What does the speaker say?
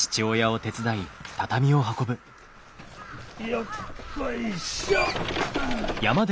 よっこいしょ！